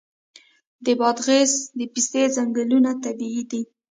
د بادغیس د پستې ځنګلونه طبیعي دي.